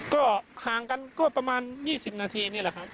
ก็ห่างกันก็ประมาณ๒๐นาทีนี่แหละครับ